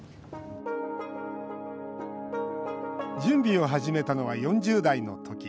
準備を始めたのは４０代の時。